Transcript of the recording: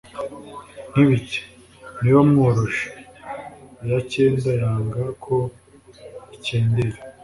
nkibiki ni we wamworoje iya cyenda yanga ko icyendera